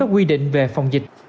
quy định về phòng dịch